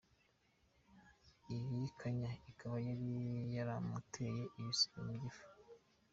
Iyi kanya ikaba yari yaramuteye ibisebe mu gifu.